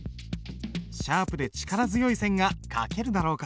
シャープで力強い線が書けるだろうか？